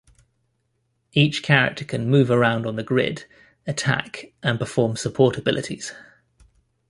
Each character can move around on the grid, attack, and perform support abilities.